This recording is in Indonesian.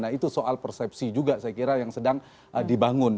nah itu soal persepsi juga saya kira yang sedang dibangun